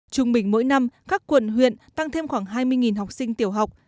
trung bình mỗi năm các quận huyện tăng thêm khoảng hai mươi học sinh tiểu học